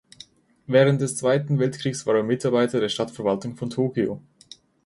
Während des Zweiten Weltkriegs war er Mitarbeiter der Stadtverwaltung von Tokio.